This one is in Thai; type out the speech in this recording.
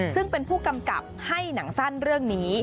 ซึ่งเป็นผู้กำกับให้หนังสั้นเรื่องนี้